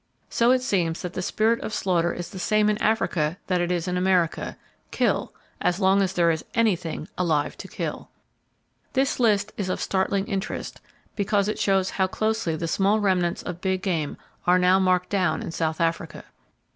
So it seems that the spirit of slaughter is the same in Africa that it is in America,—kill, as long as there is anything alive to kill! This list is of startling interest, because it shows how closely the small remnants of big game are now marked down in South Africa.